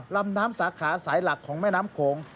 ลำน้ำสาขาสายหลักของแม่น้ำโขง